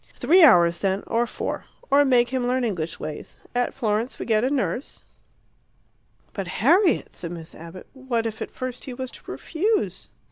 "Three hours, then, or four; or make him learn English ways. At Florence we get a nurse " "But, Harriet," said Miss Abbott, "what if at first he was to refuse?"